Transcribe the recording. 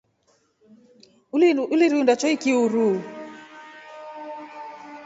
Ulirunda choiki uruu.